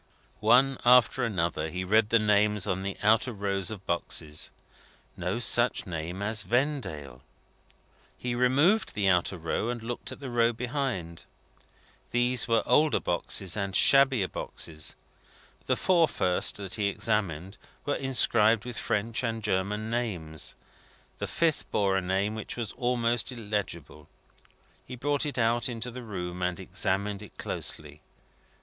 One after another, he read the names on the outer rows of boxes. No such name as Vendale! He removed the outer row, and looked at the row behind. These were older boxes, and shabbier boxes. The four first that he examined, were inscribed with French and German names. The fifth bore a name which was almost illegible. He brought it out into the room, and examined it closely.